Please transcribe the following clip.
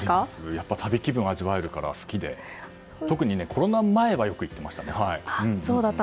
やっぱり旅気分を味わえるから好きで特にコロナ前はよく行っていましたね。